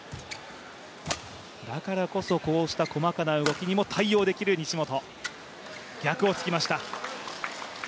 だからこそ、こうした細かな動きにも対応できる、西本。